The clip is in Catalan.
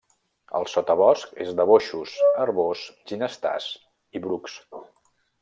El sotabosc és de boixos, arboç, ginestars i brucs.